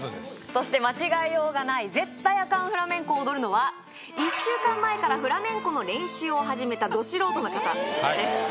そして間違えようがない絶対アカンフラメンコを踊るのは１週間前からフラメンコの練習を始めたど素人の方です